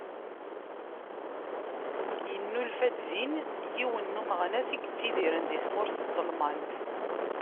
Yennulfa-d din yiwen n umeɣnas i yettidiren di tmurt n Telmant.